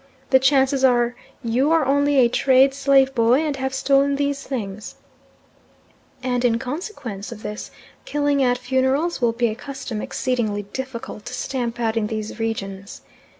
The chances are you are only a trade slave boy and have stolen these things"; and in consequence of this, killing at funerals will be a custom exceedingly difficult to stamp out in these regions.